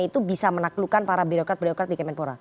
itu bisa menaklukkan para birokrat birokrat di kemenpora